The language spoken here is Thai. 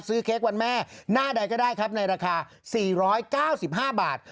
เค้กวันแม่หน้าใดก็ได้ครับในราคา๔๙๕บาท